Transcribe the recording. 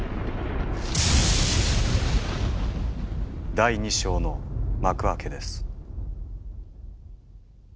第２章の幕開けです。